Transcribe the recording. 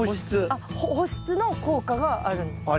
あっ保湿の効果があるんですか？